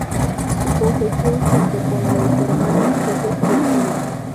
Su confesión junto con la de su hermana selló su destino.